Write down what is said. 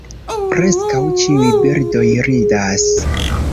Preskaŭ ĉiuj birdoj ridas.